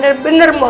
karena diri reasons